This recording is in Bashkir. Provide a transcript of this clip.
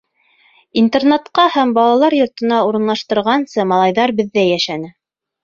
Интернатҡа һәм балалар йортона урынлаштырғансы, малайҙар беҙҙә йәшәне.